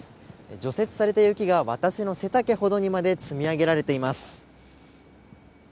除雪された雪が私の背丈ほどにまで積み上げられています。